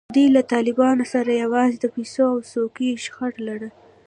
دوی له طالبانو سره یوازې د پیسو او څوکیو شخړه لري.